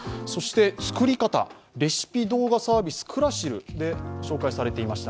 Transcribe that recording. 作り方、レシピ動画サービス、クラシルで紹介されていました。